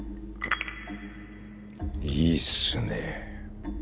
いいっすね